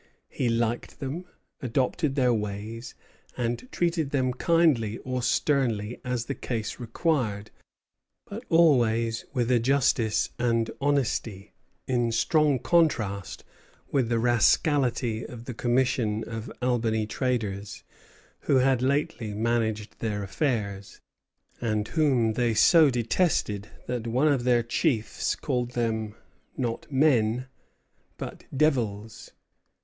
He liked them, adopted their ways, and treated them kindly or sternly as the case required, but always with a justice and honesty in strong contrast with the rascalities of the commission of Albany traders who had lately managed their affairs, and whom they so detested that one of their chiefs called them "not men, but devils."